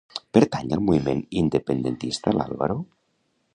Pertany al moviment independentista l'Álvaro?